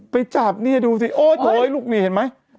ไปจับเนี่ยดูสิโอ๊ยโถยลูกนี่เห็นไหม